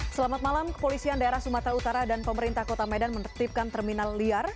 selamat malam kepolisian daerah sumatera utara dan pemerintah kota medan menertibkan terminal liar